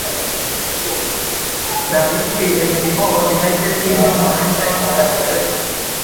na ukmco united kingdom maritime organisation